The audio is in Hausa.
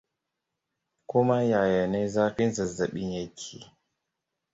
Kuma yaya ne zafin zazzabin yake?